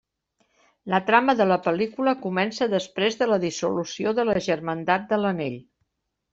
La trama de la pel·lícula comença després de la dissolució de la Germandat de l'Anell.